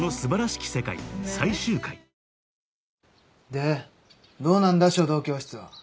でどうなんだ書道教室は。